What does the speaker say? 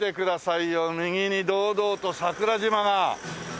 右に堂々と桜島がねえ。